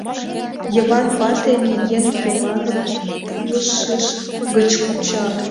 Йыван вате, миен, Йываным пулышыж гыч куча.